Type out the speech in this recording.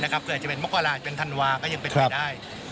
เกิดจะเป็นมกราชเป็นธันวาก็ยังเป็นไปได้